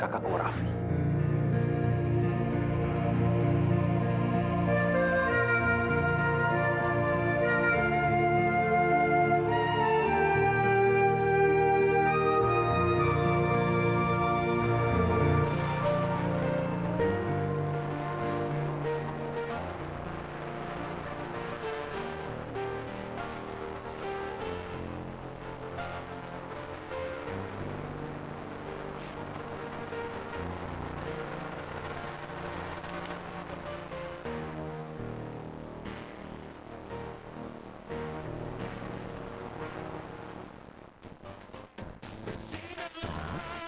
saya harap kita berjumpa lagi